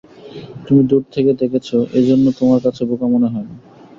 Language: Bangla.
তুমি দূর থেকে দেখেছ, এই জন্যে তোমার কাছে বোকা মনে হয় না।